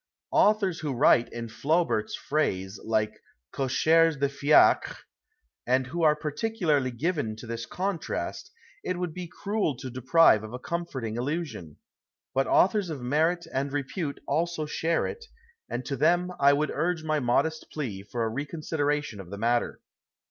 Authors who write, in Flaubert's phrase, like cochers de fiacre, and who arc particularly given to this contrast, it would be cruel to deprive of a comforting illusion ; but authors of merit and repute also share it, and to them I would urge my modest plea for a reconsideration of the matter.